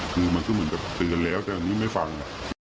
คือมันก็เหมือนกับเตือนแล้วแต่นี่ไม่ฟัง